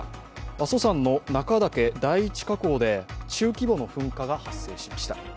阿蘇山の中岳第一火口で中規模の噴火が発生しました。